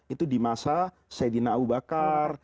itu di masa sayyidina abu bakar